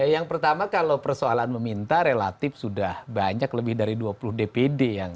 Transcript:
yang pertama kalau persoalan meminta relatif sudah banyak lebih dari dua puluh dpd yang